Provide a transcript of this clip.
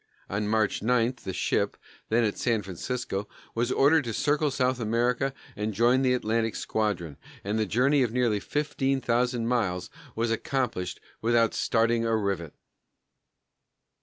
On March 9 the ship, then at San Francisco, was ordered to circle South America and join the Atlantic squadron, and the journey of nearly fifteen thousand miles was accomplished without starting a rivet.